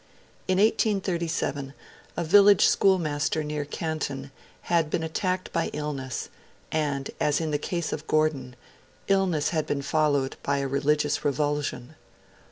In 1837, a village schoolmaster near Canton had been attacked by illness; and, as in the case of Gordon, illness had been followed by a religious revulsion.